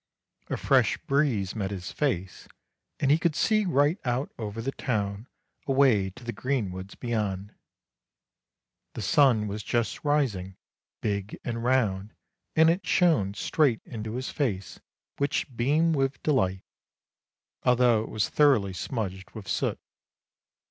A fresh breeze met his face, and he could see right out over the town away to the green woods beyond. The sun was just rising, big and round, and it shone straight into his face which beamed WHAT THE MOON SAW 257 with delight, although it was thoroughly smudged with soot.